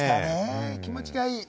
気持ちがいい。